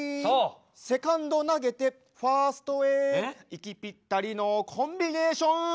息ぴったりのコンビネーション。